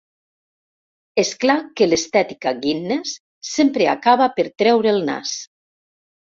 És clar que l'estètica Guinness sempre acaba per treure el nas.